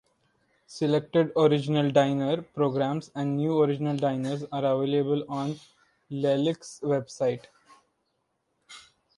Selected original "Diner" programs and new original Diners are available on Lileks's website.